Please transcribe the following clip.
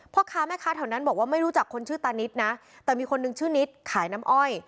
พ่อค้าแม่ค้าแถวนั้นบอกว่าไม่รู้จักคนชื่อตานิดนะแต่มีคนนึงชื่อนิดขายน้ำอ้อย